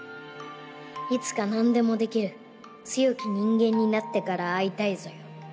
「いつかなんでもできるつよきにんげんになってからあいたいぞよ」